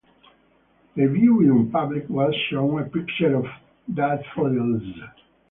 The viewing public was shown a picture of daffodils.